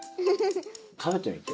食べてみて。